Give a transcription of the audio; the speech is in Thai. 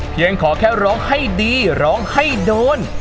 ขอแค่ร้องให้ดีร้องให้โดน